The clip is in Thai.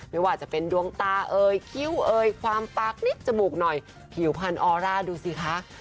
ไม่ว่าจะเป็นดวงตาเอ่ยคิ้วเอยความปากนิดจมูกหน่อยผิวพันธออร่าดูสิคะ